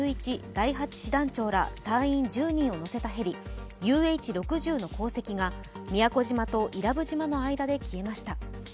第８師団長ら隊員１０人を乗せたヘリ、ＵＨ−６０の痕跡が宮古島と伊良部島の間で消えました。